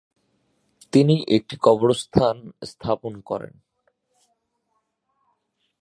তিনি একটি কবরস্থান স্থাপন করেন।